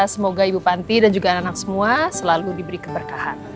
semoga ibu panti dan juga anak anak semua selalu diberi keberkahan